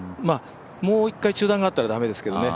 もう一回中断があったら駄目ですけどね